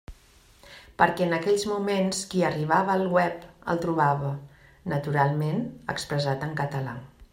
Perquè en aquells moments qui arribava al web el trobava, naturalment, expressat en català.